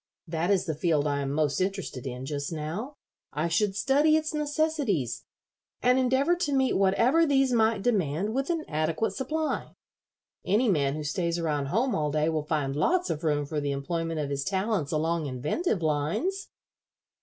That is the field I am most interested in just now. I should study its necessities, and endeavor to meet whatever these might demand with an adequate supply. Any man who stays around home all day will find lots of room for the employment of his talents along inventive lines."